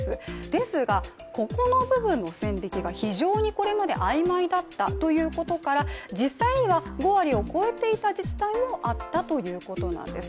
ですが、ここの部分の線引きが非常にこれまで曖昧だったということから、実際には５割を超えていた自治体もあったということなんです。